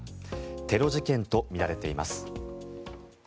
テロ事件とみられています。